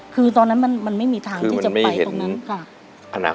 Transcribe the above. คือตอนนั้นมันไม่มีทางที่จะไปตรงนั้นค่ะ